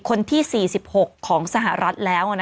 คนที่๔๖ของสหรัฐแล้ว